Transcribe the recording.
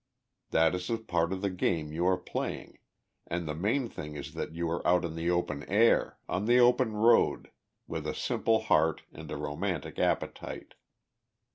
That is a part of the game you are playing, and the main thing is that you are out in the open air, on the open road, with a simple heart and a romantic appetite.